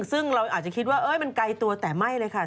ซึ่งเราอาจจะคิดว่ามันไกลตัวแต่ไม่เลยค่ะ